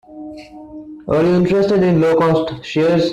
Are you interested in low-cost shares?